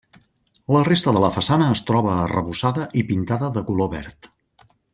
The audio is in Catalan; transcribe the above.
La resta de la façana es troba arrebossada i pintada de color verd.